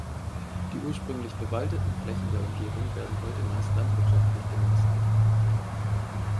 Die ursprünglich bewaldeten Flächen der Umgebung werden heute meist landwirtschaftlich genutzt.